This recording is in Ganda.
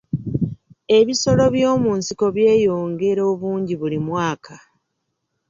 Ebisolo by'omu nsiko byeyongera obungi buli mwaka.